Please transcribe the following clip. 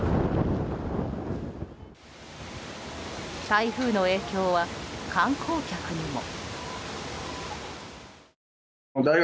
台風の影響は観光客にも。